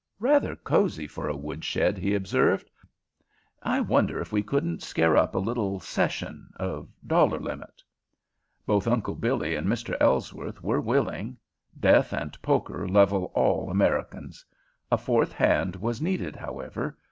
"Rather cozy for a woodshed," he observed. "I wonder if we couldn't scare up a little session of dollar limit?" Both Uncle Billy and Mr. Ellsworth were willing. Death and poker level all Americans. A fourth hand was needed, however.